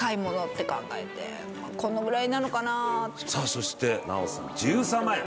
そして奈緒さん１３万円。